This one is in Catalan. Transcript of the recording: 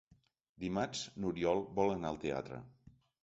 Dimarts n'Oriol vol anar al teatre.